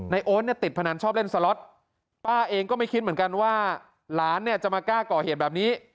โอ๊ตเนี่ยติดพนันชอบเล่นสล็อตป้าเองก็ไม่คิดเหมือนกันว่าหลานเนี่ยจะมากล้าก่อเหตุแบบนี้